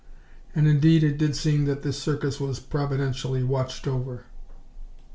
And indeed it did seem that this Circus was providentially watched over.